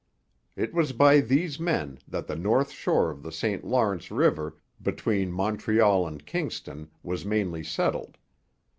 It was by these men that the north shore of the St Lawrence river, between Montreal and Kingston, was mainly settled.